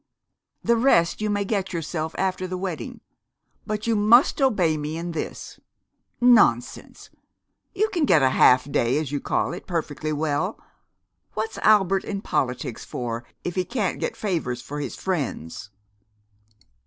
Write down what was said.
The rest you may get yourself after the wedding, but you must obey me in this. Nonsense! you can get a half day, as you call it, perfectly well! What's Albert in politics for, if he can't get favors for his friends!"